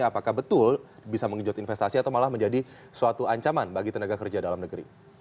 apakah betul bisa mengejut investasi atau malah menjadi suatu ancaman bagi tenaga kerja dalam negeri